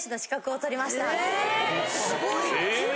すごいね。